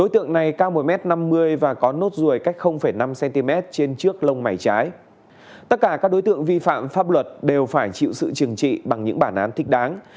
tất cả các đối tượng vi phạm pháp luật đều phải chịu sự trừng trị bằng những bản án thích đáng